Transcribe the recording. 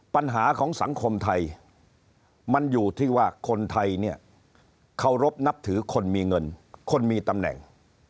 ปัญหาของสังคมไทยมันอยู่ที่ว่าคนไทยเนี่ยเคารพนับถือคนมีเงินคนมีตำแหน่ง